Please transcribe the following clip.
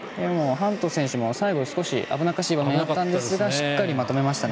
ハント選手最後危なっかしい場面でしたがしっかりまとめましたね。